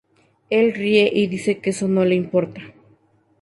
Él ríe y dice que eso no le importa.